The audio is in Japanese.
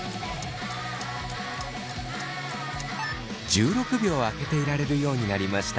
１６秒開けていられるようになりました。